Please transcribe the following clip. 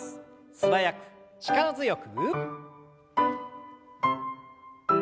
素早く力強く。